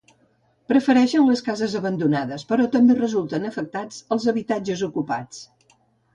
Prefereixen les cases abandonades, però també resulten afectats els habitatges ocupats.